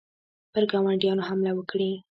پر ګاونډیانو حمله وکړي.